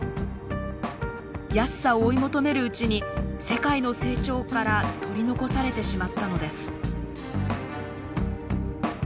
安さを追い求めるうちに世界の成長から取り残されてしまったのです。